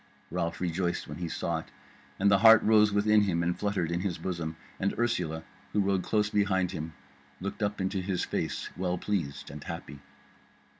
Ralph rejoiced when he saw it, and the heart rose within him and fluttered in his bosom, and Ursula, who rode close behind him, looked up into his face well pleased and happy.